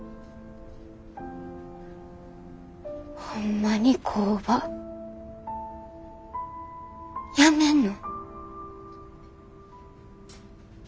ホンマに工場やめんの？